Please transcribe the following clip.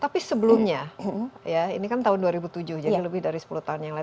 tapi sebelumnya ya ini kan tahun dua ribu tujuh jadi lebih dari sepuluh tahun yang lalu